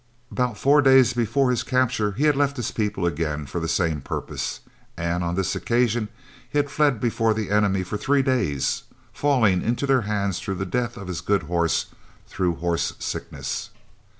About four days before his capture he had left his people again for the same purpose, and on this occasion he had fled before the enemy for three days, falling into their hands through the death of his good horse through horse sickness.